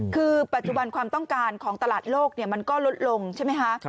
คือปัจจุบันความต้องการของตลาดโลกมันก็ลดลงใช่ไหมคะ